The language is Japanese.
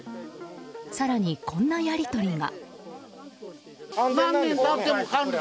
更に、こんなやり取りが。